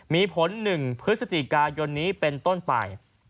มีผลหนึ่งพฤศจีกายรณ์นี้เป็นต้นปลาย